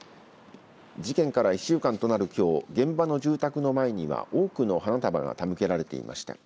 事件から１週間となるきょう現場の住宅の前には多くの花束が手向けられていました。